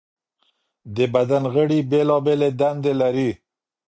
د بدن غړي بېلابېلې دندې لري.